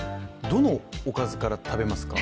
どのおかずから食べますか？